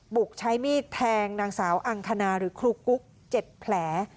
กใช้มีดแทงนางสาวอังคณาหรือครูกุ๊ก๗แผล